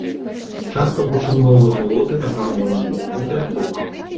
Часта вучыў новыя мелодыі на гармоніку ў клубе, дома.